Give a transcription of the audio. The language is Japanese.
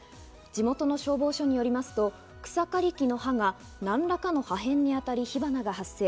地元の消防署によりますと、草刈り機の刃が何らかの破片に当たり火花が発生。